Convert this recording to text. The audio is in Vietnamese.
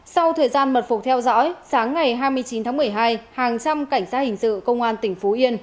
sau thời gian mật phục theo dõi sáng ngày hai mươi chín tháng một mươi hai hàng trăm cảnh sát hình sự công an tỉnh phú yên